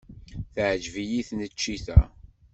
Teɛjeb-iyi tneččit-a.